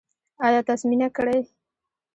ایا تاسو مینه کړې؟